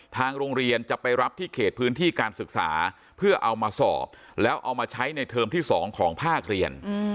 ทางโรงเรียนจะไปรับที่เขตพื้นที่การศึกษาเพื่อเอามาสอบแล้วเอามาใช้ในเทอมที่๒ของภาคเรียน